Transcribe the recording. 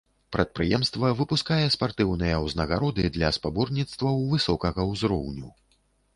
Прадпрыемства выпускае спартыўныя узнагароды для спаборніцтваў высокага ўзроўню.